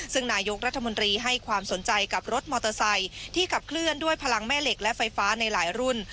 ซึ่งนายกรัฐมนตรีให้ความสนใจกับรถมอเตอร์ไซค์ที่ขับเคลื่อนด้วยพลังแม่เหล็กและไฟฟ้าในหลายรุ่น